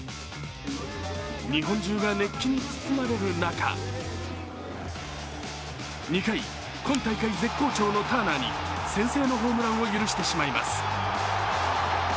日本中が熱気に包まれる中、２回、今大会絶好調のターナーに先制のホームランを許してしまいます。